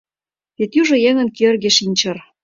...Вет южо еҥын кӧргӧ шинчыр